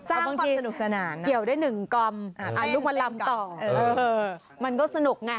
สร้างความสนุกสนานเกี่ยวได้หนึ่งกล่อมอ่าลูกมะลำต่อเออมันก็สนุกไง